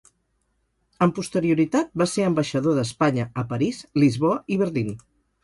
Amb posterioritat va ser ambaixador d'Espanya a París, Lisboa i Berlín.